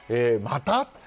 また？